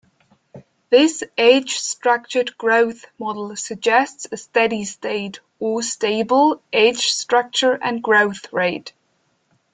This age-structured growth model suggests a steady-state, or stable, age-structure and growth rate.